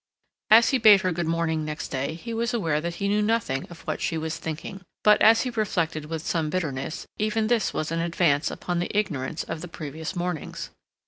As he bade her good morning next day he was aware that he knew nothing of what she was thinking, but, as he reflected with some bitterness, even this was an advance upon the ignorance of the previous mornings.